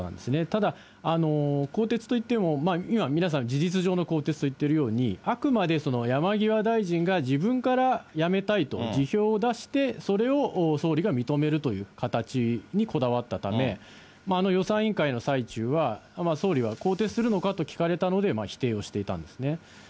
ただ、更迭といっても、皆さん、事実上の更迭と言っているように、あくまで山際大臣が自分から辞めたいと辞表を出して、それを総理が認めるという形にこだわったため、予算委員会の最中は、総理は更迭するのかと聞かれたので否定をしていたんですね。